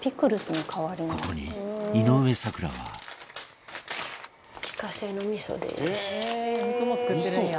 ここに、井上咲楽は大西：味噌も作ってるんや！